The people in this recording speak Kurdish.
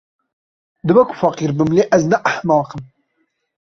Dibe ku feqîr bim, lê ez ne ehmeq im.